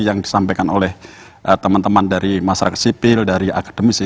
yang disampaikan oleh teman teman dari masyarakat sipil dari akademisi